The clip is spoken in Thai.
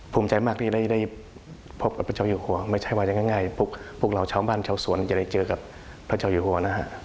ภูมิใจมากที่ได้พบกับพระเจ้าอยู่หัวไม่ใช่ว่าจะง่ายพวกเราชาวบ้านชาวสวนจะได้เจอกับพระเจ้าอยู่หัวนะฮะ